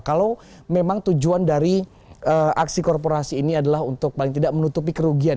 kalau memang tujuan dari aksi korporasi ini adalah untuk paling tidak menutupi kerugian